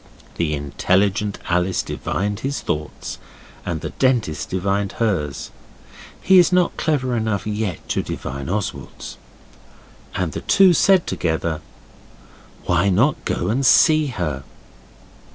The intelligent Alice divined his thoughts, and the Dentist divined hers he is not clever enough yet to divine Oswald's and the two said together 'Why not go and see her?